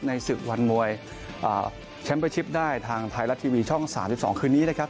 ในศึกวันมวยอ่าได้ทางทายลาสต์ทีวีช่องสามสิบสองคืนนี้นะครับ